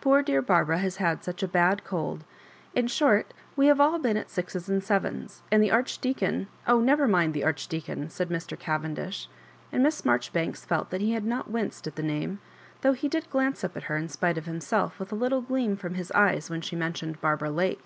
Poor dear Barbara has had such a bad cold. In short, we have all been at sixes and sevens; and the Archdeacon " ^'Oh, never mind the Archdeacon," said Mr. Cavendish, and Miss Marjoribanks felt that he had not winced at the name, though he.did glance up at her in spite of himself with a little gleam from his eyes when she mentioned Barbara Lake.